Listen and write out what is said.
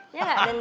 iya gak dendoy